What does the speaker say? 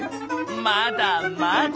まだまだ！